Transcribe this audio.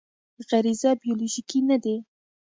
غریزه بیولوژیکي نه دی.